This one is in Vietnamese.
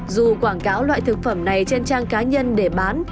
dù quảng cáo loại thực phẩm này trên trang cá nhân để bán